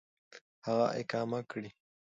هغه اقامه كړي .